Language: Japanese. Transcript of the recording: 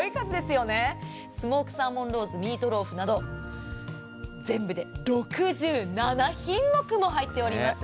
スモークサーモンローズミートローフなど全部で６７品目も入っています。